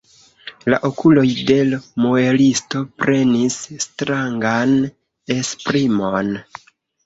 La okuloj de l' muelisto prenis strangan esprimon.